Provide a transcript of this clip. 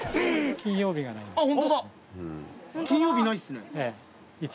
金曜日ないっすね。